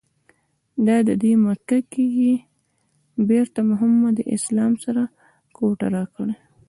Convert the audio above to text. دادی مکه کې یې بېرته محمد اسلام سره کوټه راکړې.